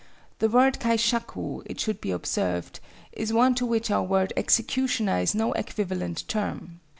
The word kaishaku it should be observed, is one to which our word executioner is no equivalent term.